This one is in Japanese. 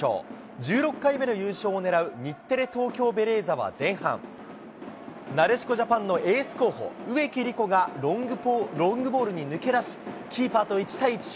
１６回目の優勝を狙う日テレ・東京ベレーザは前半、なでしこジャパンのエース候補、植木理子がロングボールに抜け出し、キーパーと１対１。